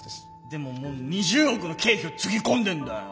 でももう２０億の経費をつぎ込んでんだよ。